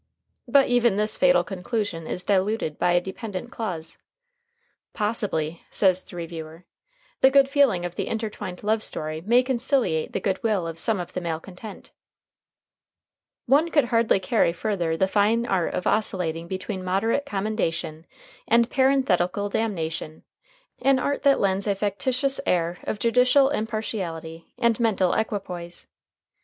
But even this fatal conclusion is diluted by a dependent clause. "Possibly," says the reviewer, "the good feeling of the intertwined love story may conciliate the good will of some of the malcontent." One could hardly carry further the fine art of oscillating between moderate commendation and parenthetical damnation an art that lends a factitious air of judicial impartiality and mental equipoise.